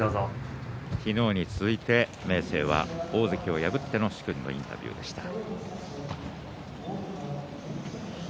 昨日に続いて明生が大関を破っての殊勲のインタビューでした。